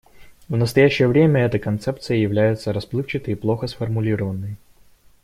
В настоящее время эта концепция является расплывчатой и плохо сформулированной.